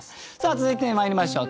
続いてまいりましょう。